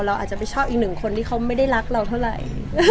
เราอาจจะไม่ชอบอีกหนึ่งคนที่เขาไม่ได้รักเราเท่าไหร่